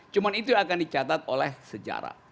cuma itu yang akan dicatat oleh sejarah